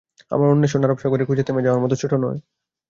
আমার অণ্বেষণ আরব সাগরে খুঁজে থেমে যাওয়ার মতো ছোট নয়।